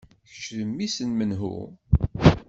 Kečč d mmi-s n menhu?